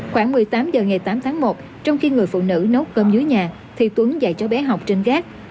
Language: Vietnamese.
khoảng một mươi tám h ngày tám tháng một trong khi người phụ nữ nốt cơm dưới nhà thì tuấn dạy cho bé học trinh gác